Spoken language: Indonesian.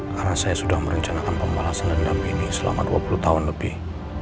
karena saya sudah merencanakan pembalasan dendam ini selama dua puluh tahun lebih